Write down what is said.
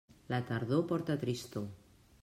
La tardor porta tristor.